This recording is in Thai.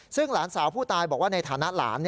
ซึ่งหลานสาวผู้ตายบอกว่าในฐานะหลาน